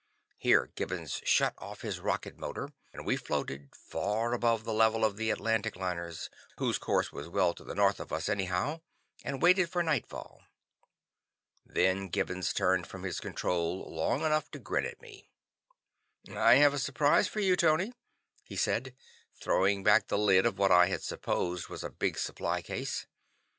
Here Gibbons shut off his rocket motor, and we floated, far above the level of the Atlantic liners, whose course was well to the north of us anyhow, and waited for nightfall. Then Gibbons turned from his control long enough to grin at me. "I have a surprise for you, Tony," he said, throwing back the lid of what I had supposed was a big supply case.